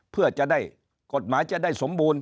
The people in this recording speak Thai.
เพื่อจะได้กฎหมายจะได้สมบูรณ